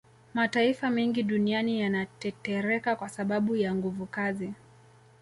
Mataifa mengi duniani yanatetereka kwasababu ya nguvukazi